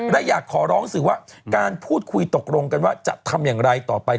และอยากขอร้องสื่อว่าการพูดคุยตกลงกันว่าจะทำอย่างไรต่อไป